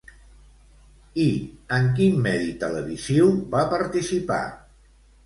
I en quin medi televisiu va participar?